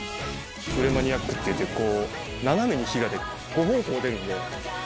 触れマニアックっていって、斜めに火が出る、５方向に出るんで。